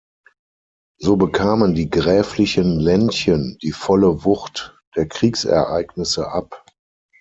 So bekamen die gräflichen Ländchen die volle Wucht der Kriegsereignisse ab.